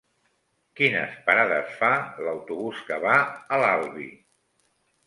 Quines parades fa l'autobús que va a l'Albi?